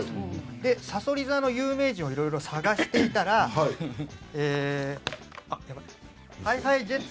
さそり座の有名人をいろいろ探していたらＨｉＨｉＪｅｔｓ